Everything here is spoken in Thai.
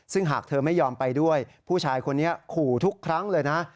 ซึ่งหากเธอไม่ยอมไปด้วยผู้ชายคนนี้ขู่ทุกครั้งเลยนะ